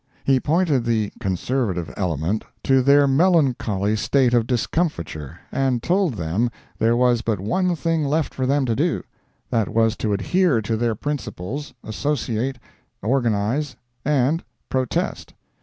He pointed the "Conservative element" to their melancholy state of discomfiture, and told them there was but one thing left for them to do; that was to adhere to their principles, associate, organize and—protest.